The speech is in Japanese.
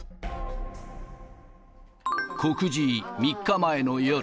告示３日前の夜。